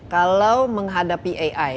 kalau menghadapi ai